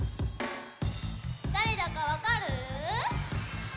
だれだかわかる？わかる！